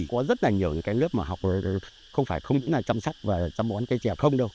có rất là nhiều những cái lớp mà học không phải không chỉ là chăm sách và chăm uống ăn cây trè không đâu